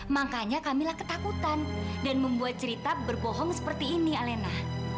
makanya kamilah ketakutan dan membuat cerita berbohong seperti ini alena